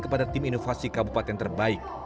kepada tim inovasi kabupaten terbaik